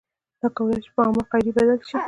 دا کولای شي په عامې قاعدې بدل شي.